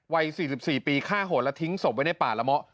วัย๔๔ปีฆ่าโหดและทิ้งศพไว้ในป่าละเมาะ